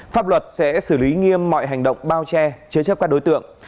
pháp luật sẽ xử lý nghiêm mọi hành động bao che chế chấp các đối tượng